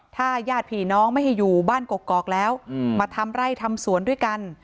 ถ้าญาติผีน้องไม่ให้อยู่บ้านกกอกแล้วมาทำไร่ทำสวนด้วยกัน